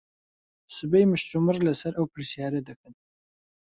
سبەی مشتومڕ لەسەر ئەو پرسیارە دەکەن.